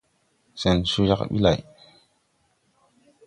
Sɛn coo jag ɓi lay.